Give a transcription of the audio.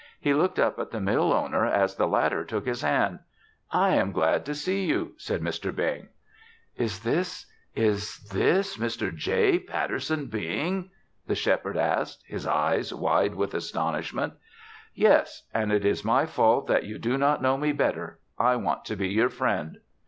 He looked up at the mill owner as the latter took his hand. "I am glad to see you," said Mr. Bing. "Is this is this Mr. J. Patterson Bing?" the Shepherd asked, his eyes wide with astonishment. "Yes, and it is my fault that you do not know me better. I want to be your friend."